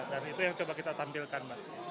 dan itu yang coba kita tampilkan mbak